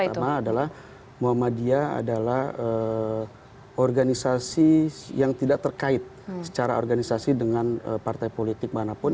pertama adalah muhammadiyah adalah organisasi yang tidak terkait secara organisasi dengan partai politik manapun